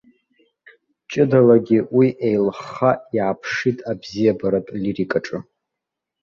Ҷыдалагьы уи еилыхха иааԥшит абзиабаратә лирикаҿы.